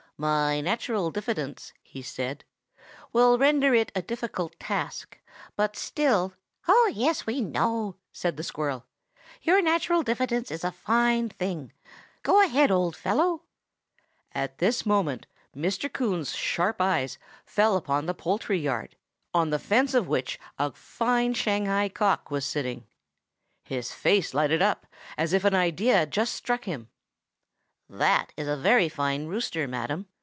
"My natural diffidence," he said, "will render it a difficult task, but still—" "Oh yes, we know!" said the squirrel. "Your natural diffidence is a fine thing. Go ahead, old fellow!" At this moment Mr. Coon's sharp eyes fell upon the poultry yard, on the fence of which a fine Shanghai cock was sitting. His face lighted up, as if an idea had just struck him. "That is a very fine rooster, madam!"